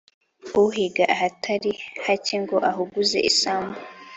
Uhiga ahatari hacya ngo uhuguze isambu.